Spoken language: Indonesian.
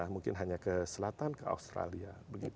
mungkin hanya ke selatan ke australia